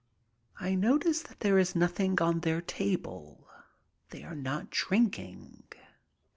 I notice that there is nothing on their table. They are not drinking.